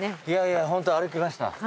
いやいやホント歩きました。